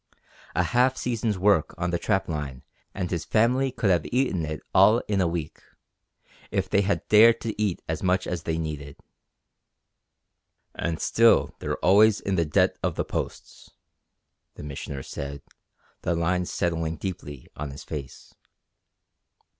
A half season's work on the trap line and his family could have eaten it all in a week if they had dared to eat as much as they needed. "And still they're always in the debt of the Posts," the Missioner said, the lines settling deeply on his face.